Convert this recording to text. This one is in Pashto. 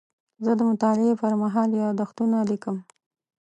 زه د مطالعې پر مهال یادښتونه لیکم.